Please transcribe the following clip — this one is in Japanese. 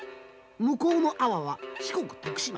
向こうの阿波は四国徳島。